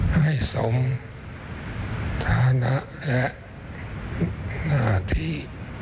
ให้สมฐานะและหน้าที่